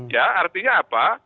ya artinya apa